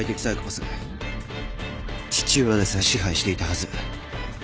父親でさえ支配していたはず。